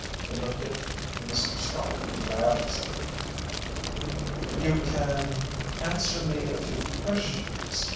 He looked at Mr. Stott guilelessly. "You can answer me a few questions." Mr.